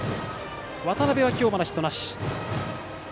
渡邉は今日まだヒットなし。